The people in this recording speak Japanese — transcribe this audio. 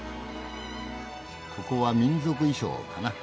ここは民族衣装かな。